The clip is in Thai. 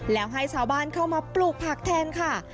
แล้วให้ชาวบ้านเข้ามาปลูกผักแทนค่ะ